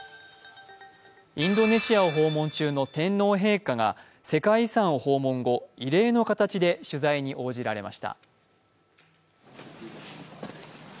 インドネシアを訪問中の天皇陛下が世界遺産を訪問後、異例の形で取材に応じられました。